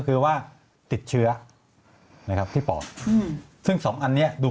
คือว่าติดเชื้อนะครับที่ปอดอืมซึ่งสองอันเนี้ยดู